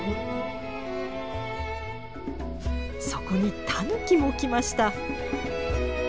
そこにタヌキも来ました。